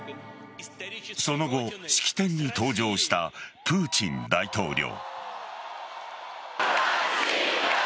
その後、式典に登場したプーチン大統領。